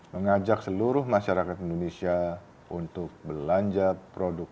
mengajak seluruh masyarakat indonesia untuk belanja produk